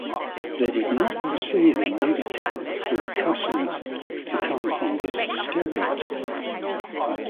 They did not foresee the negative repercussions to come from this stereotype.